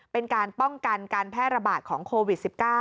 เป็นการป้องกันการแพร่ระบาดของโควิด๑๙